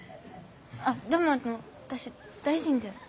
あでもあの私大臣じゃ。